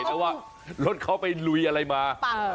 แต่ว่ารถเขาไปลุยอะไรมา